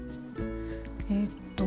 えっと